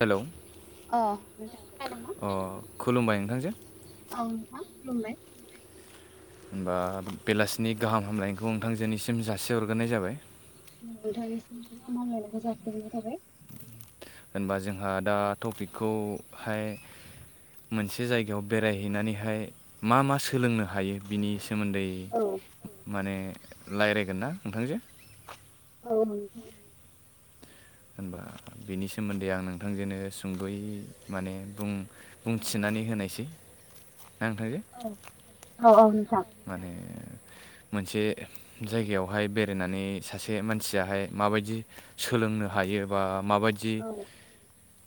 Hello अ नोंथां खोनादों ना औ नोंथां बुंलाय। होमबा बेलासिनि गाहाम हामलायनायखौ नोंथांजोनिसिम जासे हरग्रोनाय जाबाय। नोंथांनिसिम गाहाय हामलायनायखौ जासि हरनाय थाबाय। होनबा जोंहा दा टपिकखौहाय। मोनसे जायगायाव बेरायहैनानैहाय मा मा सोलोंनो हायो बिनि। सोमोन्दै माने रायज्लायगोन ना नोंथांजो। औ नोंथां। होनबा बिनि सोमोन्दै आं नोंथांजोंनो सुंद'यै माने बुं बुंथिनाय नानै होनायसै औ औ औ माने मोनसे जायगायावहाय बेरायनानै सासे मानसियाहाय माबायदि सोल लोंनो हायो बा माबायदि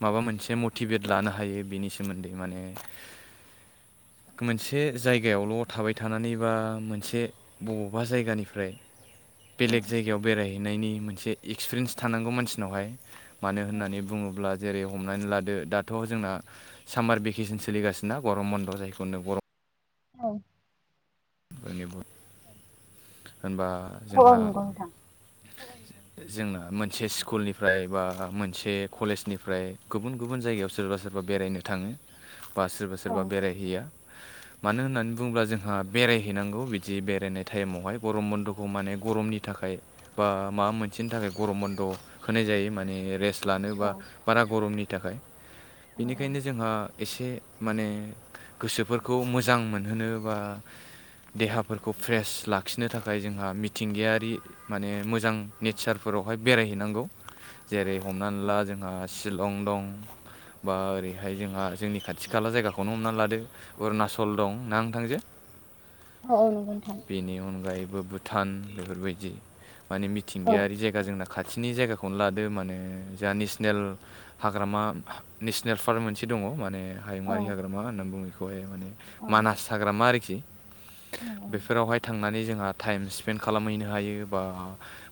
माबा मोनसे मटिभेट लानो हायो बिनि सोमोन्दै माने मोनसे जायगायावल' थाबाय थानानै बा मोनसे बबावबा जायगानिफ्राय बेलेग जायगायाव बेरायहैनायनि मोनसे एक्सपिरियेन्स थानांगौ मानसिनावहाय मानो होननानै बुङोब्ला जेरै हमनानै लादो दाथ' जोंना सामार भेकेसन सोलिगासिनोना गरम बन्द' जायखौ गरम औ बयनि होनबा जोंहा जोंना मोनसे स्कुलनिफ्राय बा मोनसे कलेजनिफ्राय गुबुन गुबुन जायगायाव सोरबा सोरबा सोरबा बेरायनो थाङो बा सोरबा सोरबा बेरायहैया मानो होननानै बुङोब्ला जोंहा बेरायहैनांगौ बिदि बेरायनाय टाइमावहाय गरम बन्द'खौ माने गरमनि थाखाय बा माबा मोनसे खाथिनि थाखाय गरम बन्द' होनाय जायो माने रेस्ट लानोोबा बारा गरमनि थाखाय बेनिखायनो जोंहा एसे माने गोसोफोरखौ मोजां मोनहोनो बा [inaudible] देहाफोरखौ फ्रेश लाखिनो थाखाय जोंहा मिथिंगायारि माने मोजां नेचारफोराव बेवहाय बेरायहैनांगौ जेरै हमनानै ला जोंहा शिलं दं बा ओरैहाय जोंहा जोंनि खाथि खाला जायगाखौनो हमना लादो अरुणाचल दं ना आ थांजो बेनि अनगायैबो भुटान बेफोरबायदि माने मिथिंगायारि जायगा जोंना खाथिनि जायगाखौनो लादो माने जों नेसनेल हाग्रामा नेसनेल पार्क मोनसे दङ माने हायुङारि हाग्रामा होननानै बुङो मानज मानास हाग्रामा बेफोरावहाय थांनानै जोंहा टाइम स्पेन्ड खालामहैनो हायो बा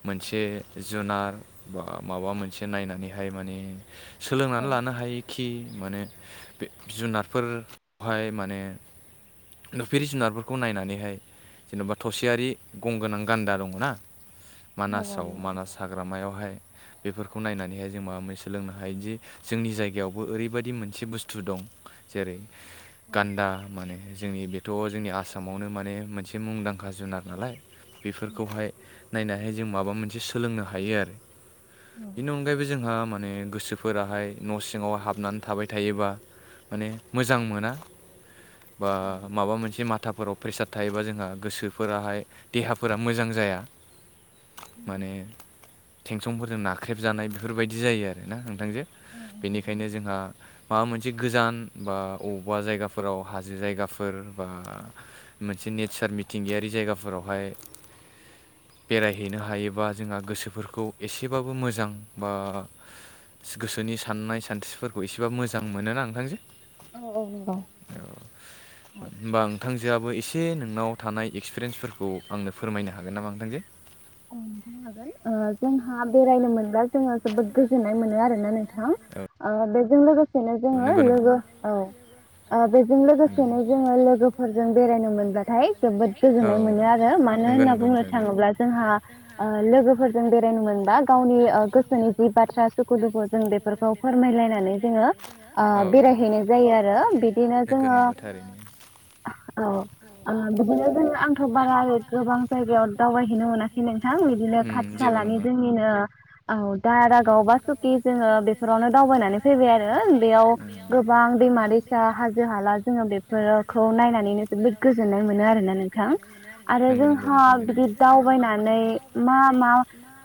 मोनसे जुनार बा माबा मोनसे नायनानैहाय माने सोलोंनानै लानो हायो। खि माने बे जुनारफोरहाय माने जुनारफोरखौ नायनानैहाय जेन'बा थसेयारि गंगोनां गान्दा दङ ना मानासाव मानास हाग्रामायाव बेहाय बेफोरखौ नायनानैहाय जों माबा मोन सोलोंनो हायोदि जोंनि जायगायावबो ओबायदि मोनसे बुस्थु दं जेरै गान्दा माने जोंनि बे थ' जोंनि आसामावनो माने मोनसे मुंदांखा जुनार नालाय बेफोरखौहाय नायनानैहाय जों माबा मोनसे सोलोंनो हायो आरो बेनि अनगायैबो जोंहा माने गोसोफोराहाय न' सिङाव हाबनानै थाबाय थायोबा माने मोजां मोना बा माबा मोनसे माथाफोराव प्रेसार थायोबा जोंहा गोसोफोराहाय देहाफोरा मोजां जाया माने टेनसनफोरजों नाख्रेबजानाय बेफोरबायदि जायो आरोना उम नोंथांजो बेनिखायनो जोंहा माबा मोन जि गोजान बा बबेबा जायगाफोराव हाजो जायगा फोर बा मोनसे नेचार मिथिंगायारि जायगाफोरावहाय बेरायहैनो हायोबा जोंहा गोसोफोरखौ एसेबाबो मोजां बा गोसोनि साननाय सानस्रिफोरखौ एसेबा मोजां मोनोना नोंथांजोे औ औ नोंगौ होमबा नोंथांजोआबो एसे नोंनाव थानाय एक्सपिरियेन्सफोरखौ आंनो फोरमायनो हागोन नामा नोंथां‌जो? औ नोंथां हागोन जोंहा बेरायनो मोनब्ला जोङो जोबोद गोजोननाय मोनो आरोना नोंथां। ओ बेजों लोगोसेनो जोङो लोगो औ ओ बेजों लोगोसेनो जोङो लोगोफोरजों बेरायनो मोनदों ब्लाथाय जोबोद गोजोन्नाय मोनो आरो मानो होनना बुंनो थाङोब्ला जोंहा ओ लोगोफोर जों बेरायनो मोनबा गावनि ओ गोसोनि जि बाथ्रा सुखु दुखु जों बेफोरखौ फोरमायलायनानै जोङो ओ बेरायहैनाय जायो आरो बिदिनो जों गोनो गोथारैनो औ ओ बिदिनो जोङो आंथ' बारा गोबां जायगायाव दावबायहैनो मोनाखै खै नोंथां बिदिनो खाथि खालानि जोंनिनो औ दारागाव बा सुकि जोङो बेफोरावनो दावबायनानै फैबाय आरो बेयाव गोबां दैमा दै सा हाजो हाला जोङो बेफोरखौ नायनानैनो जोबोद गोजोननाय मोनो आरोना नोंथां आरो जोंहा बिदि दावबायना नै मा मा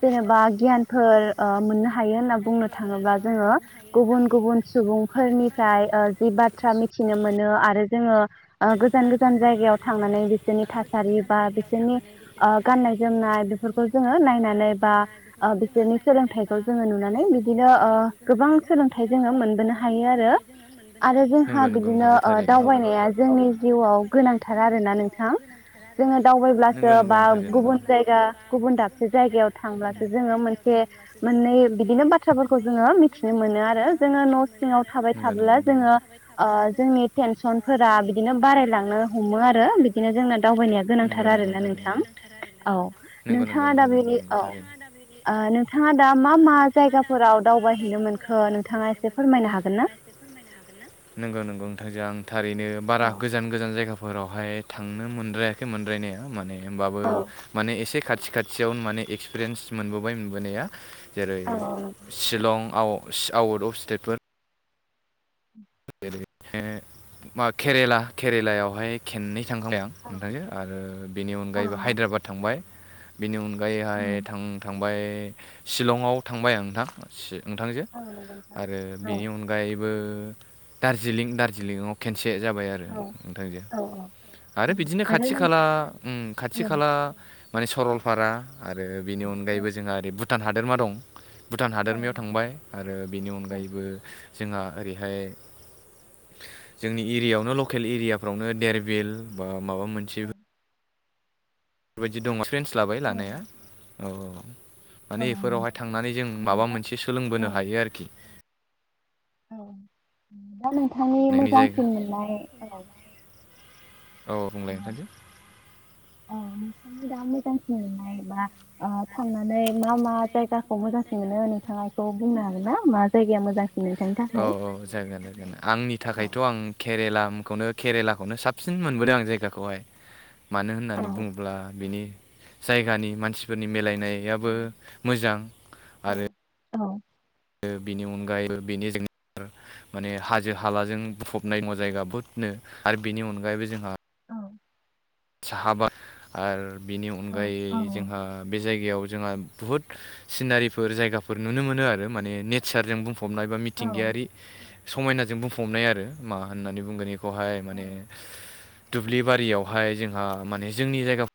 जेनेबा गियानफोर ओ मोननो हा बुंनो थाङोब्ला जोङो गुबुन गुबुन सुबुंफोरनिफ्राय जि बाथ्रा मिथिनो मोनो आरो जोङो ओ गोजान गोजान जायगायाव थांनानै बिसोरनि थासारि बा बिसोरनि ओ गाननाय नाय बेफोरखौ जोङो नायनानै बा ओ बिसोरनि सोलोंथाइखौ जोङो नुनानै बिदिनो ओ गोबां सोलोंथाइ जोङो मोनबोनो हायो आरो आरो जोंहा बिदिनो ओ दावबायनायाों जोंनि जिउआव गोनांथार आरोना नोंथां जोङो दावबायब्लासो बा गुबुन जा गुबुन दाबसे जायगायाव थांब्लासो जोङो मोनसे मोननै बिदिनो बाथ्राफोरखौ जोङो मिथिनो मोनो आरो जोङो न' सिङाव थाबाय थाबोला जोङो जोंनि टेनसनफोरा बिदिनो फोरा बिदिनो बारायलांनो हमो आरो बेखायनो दावबायनाया गोनांथार आरो औ नोंथाङा दा बेनि औ ओ नोंथाङा दा मा मा जायगाफोराव दावबायहैनो मोनखो नोंथाङा एसे फोरमायनो हागोन ना नंगौ नंगौ नोंथांजो आं थारैनो बारा गोजान गोजान जायगाफोरावहाय थांनो मोनद्रायाखै मोनद्रायनाया माने होमबाबो माने एसे खाथि खाथियावनो माने एक्सपिरियेन्स मोनबोबाय मोनबोनाया जेरै शिलं आउट अफ स्टेटफोर [unintelligible] केरेला केरेलायावहाय खेननै थांखांबाय आं नोंथांजो आरो बेनि अनगायैबो हायद्राबाद थांबाय बेनि अन- गायैहाय थां थांबाय शिलंआव थांबाय आं नोंथां शि- नोंथांजो आरो बेनि अनगायैबो दार्जिलिं दार्जिलिंआव केनसे से जाबाय आरो नोंथांजो आरो बिदिनो खाथि खाला उम खाथि खाला माने सरलपारा आरो बेनि अनगायैबो जोंहा ओरै भुटान हादोरमा दं भुटान हादोरमायाव थांबाय आरो बेनि अनगायैबो जोंहा ओरैहाय जोंनि एरियायावनो लकेल एरियाफ्रावनो देरबिल बा माबा मोनसे बेफोरबायदि दङ' फ्रेन्स लाबाय लानाया औ औ माने बेफोरावहाय थांनानै जों माबा मोनसे सोलोंबोनो हायो आरोखि औ दा नोंथांनि मोजांसिन मोननाय औ औ बुंलाय नोंथां दे [inaudible] नोंथाङा मोजांसिन मोननाय बा ओ थांनानै मा मा जायगाखौ मोजांसिन मोनो नोंथाङा खौ बुंनो हागोन ना मा जायगाया मोजां औ औ जागोन जागोन आंनि थाखायथ' आं केरेलाखौनो केरेलाखौनो साबसिन मोनबोदों आं जायगाखौहाय मानो होननानै बुङोब्ला बिनि जायगानि मानसिफोरनि मिलायनायाबो मोजां औ औ बिनि अनगायैबो बेनि जों [unintelligible] माने हाजो हालाजों बुंफबनाय जायगा बहुदनो आरो बिनि अनगायैबो जोंहा साहाबा आर बिनि अनगायै जोंहा बे जायगायाव जोंहा बुहुत सिनारिफोर जायगाफोर नुनो मोनो आरो माने नेचारजों बुंफब फबनाय बा मिथिंगायारि समायनाजों बुंफबनाय आरो मा होननानै बुंगोन बेखौ? खौहाय माने दुब्लि बारियावहाय जोंहा माने जोंनि जायगा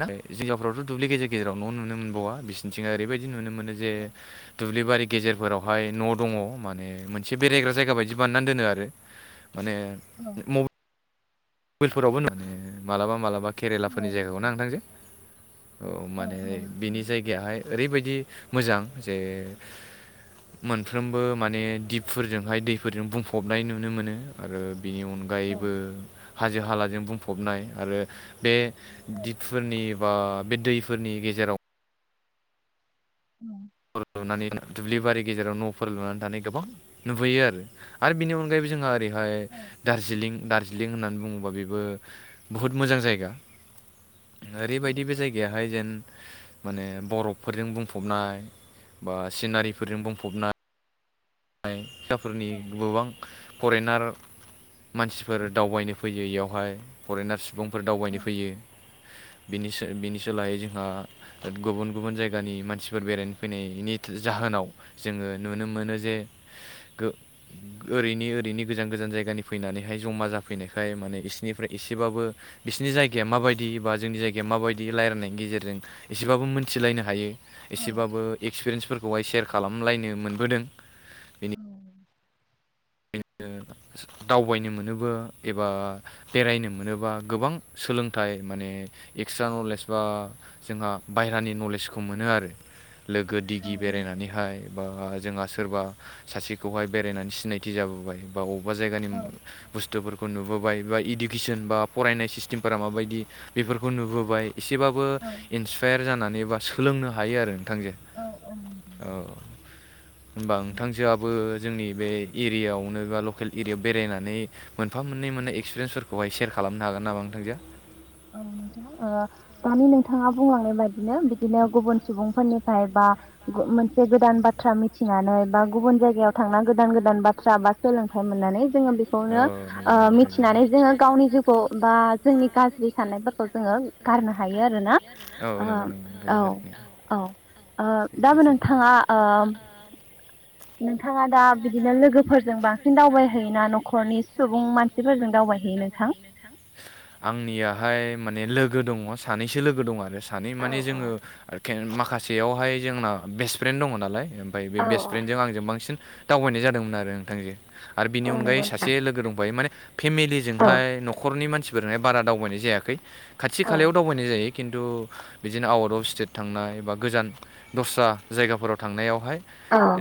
फोरावथ' दुब्लि गेजेर गेजेराव न' नुनो मोनबावा बिसोरनिथिं ओरैबायदि नुनो मोनो जे दुब्लि बारि गेजेरफोरावहाय न' दङ' माने मोनसे बेरायग्रा जायगा बायदि बानायनानै दोनो आरो। माने मबाइल फोरावबो नु मालाबा मालाबा केरेलाफोरनि जायगाखौ ना नोंथांजो। औ माने बिनि जायगायाहाय ओरैबायदि मोजां जे मोनफ्रोमबो माने दिपफोरजोंहाय दैफोरजों बुंफबनाय नुनो मोनो आरो। बेनि अनगायैबो हाजो हालाजों बुंफबनाय आरो बे दिपफोरनि बा बे दैफोरनि गेजेराव [inaudible] औ लुनानै दुब्लि बारि गेजेराव न'फोर लुनानै थानाय गोबां नुबोयो आरो बिनि अनगायैबो जोंहा ओरै हाय दारजिलिं दारजि लिं होननानै बुङोबा बेबो बुहुत मोजां जायगा। ओरैबायदि बे जायगायाहाय जेन माने बरफफोरजों बुंफबनाय। बा सिनारिफोरजों बुंफबनाय। सिखाफोरनि गोबां फरेनार मानसिफोर दावबायनो फैयो बेयावहाय फरेनार्स सुबुंफोर दावबायनो फैयो। बिनि सोलायै जोंहा गुबुन गुबुन जायगानि मानसिफोर बेरायनो फैनायनि जाहोन नाव जोङो नुनो मोनो जे ओरैनि ओरैनि गोजान गोजान जायगानि फैनानैहाय ज'मा जाफैनायखाय माने इसिनिफ्राय एसेबाबो बिसोरनि जायगाया माबायदि बा जोंनि जायगाया माबायदि रायलायनायनि गेजेरजों एसेबाबो मोनथिलायनो हायो। एसेबाबो एक्सपिरियेन्सफोरखौहाय सेयार खालामलायनो मोनबोदों बेनि ए दावबायनो मोनोबो एबा बेरायनो मोनोबा गोबां सोलोंथाइ माने एक्सट्रा नलेज बा जोंहा बायहेरानि नलेजखौ मोनो आरो। लोगो दिगि बेरायनानैहाय बा जोंहा सोरबा सासेखौहाय बेरायनानै सिनायथि थि जाबोबाय बा अबेबा जायगानि बुस्थुफोरखौ नुबो नुबोबाय बा इडुकेसन बा फरायनाय सिस्टेमफोरा माबायदि बेफोरखौ नुबोबाय। एसेबाबो इन्सपायार जानानै बा सोलोंनो हायो आरो। नोंथांजो औ होनबा ओंथांजोआबो जोंनि बे एरियायावनो बा लकेल एरियायाव बेरायनानै मोनफा मोननै मोना एक्सपिरियेन्सफोरखौहाय सेयार खालामनो हागोन नामा? थांजों औ नोंथां दानि नोंथाङा बुंलांनाय बाददिनो बिदिनो गुबुन सुबुंफोरनिफ्राय बा मोनसे गोदान बाथ्रा मिथिनानै बा गुबुन जायगायाव थांना गोदान गोदान बाथ्रा बा सोलों मोननानै जोङो बेखौनो ओ मिथिनानै जोङो गावनि जिउखौ बा जोंनि गा दै सारनायफोरखौ जोङो गारनो हायो आरो ना ओ औ औ ओ दाबो नोंथाङा ओ [inaudible] नोंथाङा दा बिदिनो लोगोफोरजों बांसिन दावबायहैोना न'खरनि सुबुं मानसिफोरजों दावबायहैयो नोंथां? आंनियाहाय माने लो लोगो दङ सानैसो लोगो दङ आरो सानै माने जोङो माखा माखासेयावहाय जोंना बेस्ट फ्रेन्ड दङ नालाय ओमफफ्राय बेस्टफ्र्रेन्डजों आंजों बांसिन दावबायनाय जादोंमोन आरो नोंथांजो आरो बिनि अनगायै सासे लोगो दंफायो माने फेमिलिजोंहाय न'खरनि मानसिफोरजोंहाय बारा दावबायनाय जायाखै खाथि खालायाव दावबायनाय जायो। खिन्थु बिदिनो आउट अफ स्टेट थांनाय बा गोजान दस्रा जायगाफोराव थांनायावहाय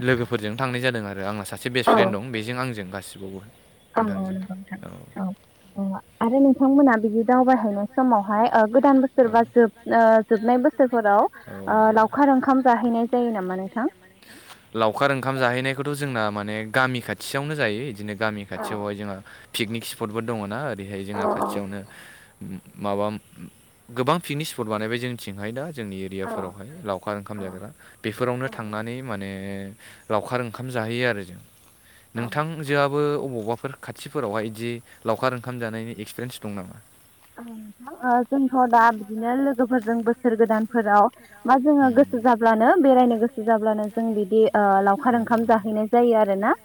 लोगोफोरजों थांनाय जादों आरो आंहा सासे बेस्ट फ्रेन्ड दं बेजों आंजों गासिबावबो। औ औ नंगौ नोंथां औ औ आरो नोंथांमोना बिदि दावबाय नाय समावहाय ओ गोदान बोसोर बा जोब ओ जोबनाय बोसोरफोराव ओ लावखार ओंखाम जाहैनाय जायो नामा नोंथां लावखार ओंखाम जाहैनायखौथ' जोंना माने गामि खाथियावनो जायो बिदिनो गामि खाथियावहाय जोंहा पिकनिक स्पटबो दङना ओरैहाय जोंहा खाथियावनो माबा गोबां पिकनिक स्पट बानायबाय जोंथिंहाय दा जोंनि एरियाफोरावनो लावखार ओंखाम जाग्रा बेफोरावनो थांनानै ओ लावखार ओंखाम जाहैयो आरो जों नोंथांजोआबो अ बबावबाफोर खाथिफोरावहाय बिदि लावखार ओंखाम जानायनि एक्सपिरियेन्स दं नामा नोंथां जोंथ' दा बिदिनो लोगोफोरजों बोसोर गोदानफोराव मा जोङो गोसो जाब्लानो बेरायनो गोसो जाब्लानो जों बिदि ओ लावखार ओंखाम जाहैनाय जायो आरो नो ना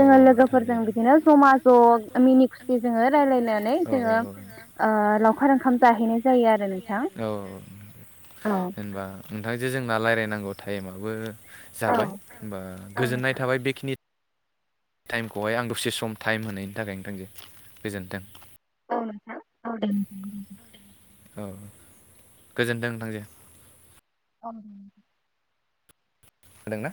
जोङो लोगोफोरजों बिदिनो ज'मा ज' मिनि खुसि जोङो रायलायनानै जोङो औ ओमबा नोंथांजोे जोंना रायज्लायनांगौ टाइमाबबो जाबाय होमबा गोजोननाय थाबाय बेखिनि टाइमखौहाय आं दसे सम टाइम होनायनि थाखायनो नोंथांजो गोजोनथों औ नोंथां [unintelligible] औ गोजोन्थों नोंथां दे [unintelligible] हादोंना